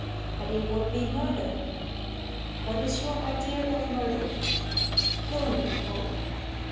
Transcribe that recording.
"But it would be murder." "What is your idea of murder?" "Killing people."